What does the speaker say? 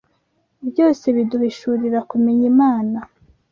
byose biduhishurira kumenya Imana